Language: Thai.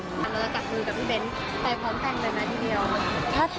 แล้วก็จับมือกับพี่เบ้นไปพร้อมแต่งเดี๋ยวนะทีเดียว